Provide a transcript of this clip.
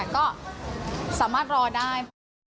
ก็สามารถรอได้